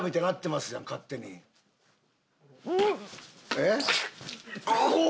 えっ？